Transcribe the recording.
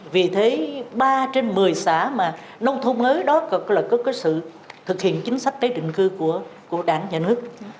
vì thế ba trên một mươi xã mà nông thôn mới đó là có sự thực hiện chính sách tế định cư của đảng nhà nước